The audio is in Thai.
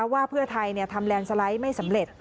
ว่าเพื่อไทยทำแลนด์สไลด์ไม่สำเร็จ